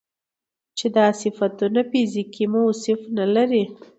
چې دا صفتونه فزيکي موصوف نه لري